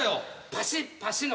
パシッパシッの。